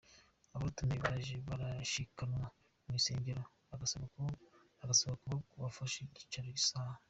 Abatumire barashikanwa mw'isengero, bagasabwa kuba bafashe icicaro isaha ;.